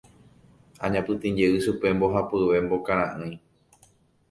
Oñapytĩjey chupe mbohapyve mbokara'ỹi.